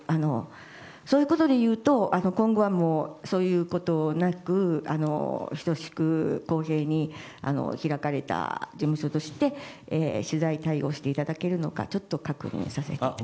そういうことでいうと今後はそういうことなく等しく公平に開かれた事務所として取材対応していただけるのかちょっと確認したいです。